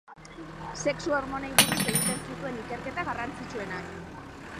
Sexu-hormonei buruz egin zituen ikerketa garrantzitsuenak.